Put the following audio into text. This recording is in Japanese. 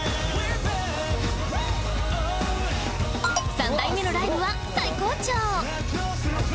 三代目のライブは最高潮！